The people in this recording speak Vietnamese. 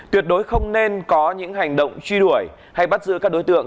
tuyệt đối không nên có những hành động truy đuổi hay bắt giữ các đối tượng